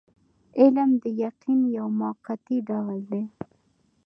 علم د یقین یو موقتي ډول دی.